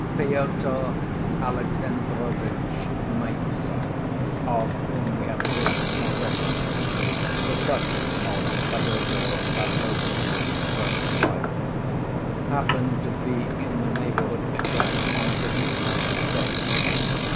Pyotr Alexandrovitch Miüsov, of whom we have spoken already, the cousin of Fyodor Pavlovitch's first wife, happened to be in the neighborhood again on a visit to his estate.